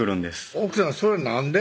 奥さんそれなんで？